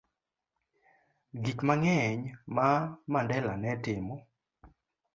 Gik mang'eny ma Mandela ne timo